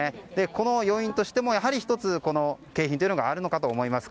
この要因としても１つ、この景品があるのかと思います。